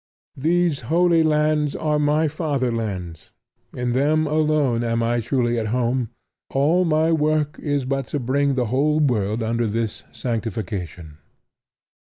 These Holy Lands are my fatherlands: in them alone am I truly at home: all my work is but to bring the whole world under this sanctification.